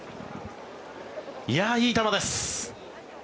いや、いい球です。